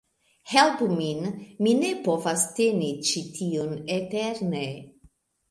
"Helpu min! Mi ne povas teni ĉi tiun eterne"